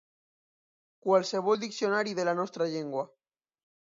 Qualsevol diccionari de la nostra llengua.